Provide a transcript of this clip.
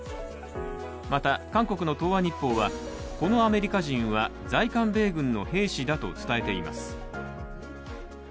また韓国の「東亜日報」はこのアメリカ人は在韓米軍の兵士だと伝えています。